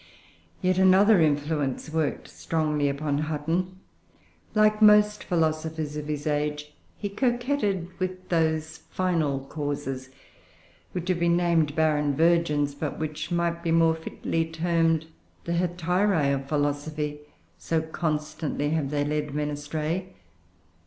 200.] Yet another influence worked strongly upon Hutton. Like most philosophers of his age, he coquetted with those final causes which have been named barren virgins, but which might be more fitly termed the hetairoe of philosophy, so constantly have they led men astray.